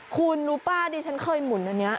คุณรู้ป่ะดิฉันเคยหมุนอันนี้